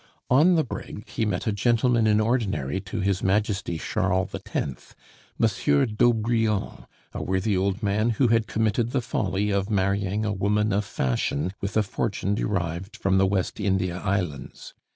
On the brig he met a gentleman in ordinary to His Majesty Charles X., Monsieur d'Aubrion, a worthy old man who had committed the folly of marrying a woman of fashion with a fortune derived from the West India Islands.